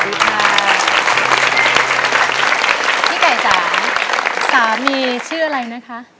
พี่ไก่จ๋าสามีชื่ออะไรนะครับ